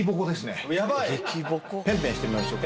ペンペンしてみましょう。